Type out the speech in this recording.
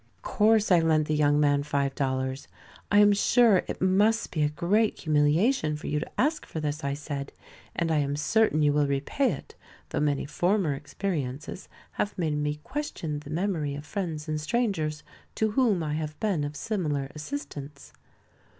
Of course I lent the young man five dollars. "I am sure it must be a great humiliation for you to ask for this," I said, "and I am certain you will repay it, though many former experiences have made me question the memory of friends and strangers to whom I have been of similar assistance."